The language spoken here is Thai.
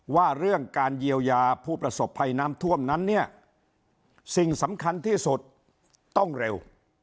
ว่าเรื่องการเยียวยาผู้ประสบภัยน้ำท่วมนั้นเนี่ยสิ่งสำคัญที่สุดต้องเร็ว